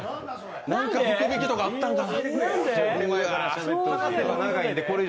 何か福引きとかあったんかな。